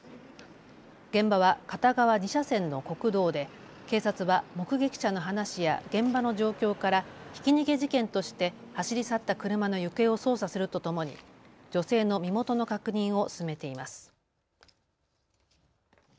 現場は片側２車線の国道で警察は目撃者の話や現場の状況からひき逃げ事件として走り去った車の行方を捜査するとともに女性の身元の確認を進めています。